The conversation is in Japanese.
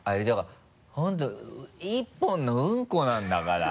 本当一本のうんこなんだから。